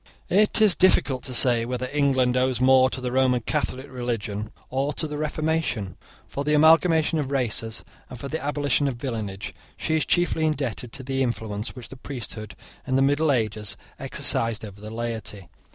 It is difficult to say whether England owes more to the Roman Catholic religion or to the Reformation. For the amalgamation of races and for the abolition of villenage, she is chiefly indebted to the influence which the priesthood in the middle ages exercised over the laity.